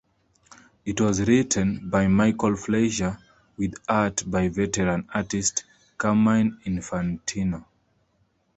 It was written by Michael Fleisher with art by veteran artist Carmine Infantino.